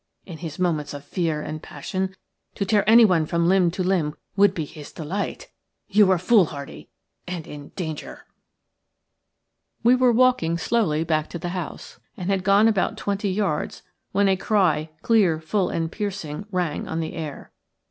In his moments of fear and passion, to tear anyone limb from limb would be his delight. You were foolhardy and in danger." We were walking slowly back to the house, and had gone about twenty yards, when a cry, clear, full, and piercing, rang on the air.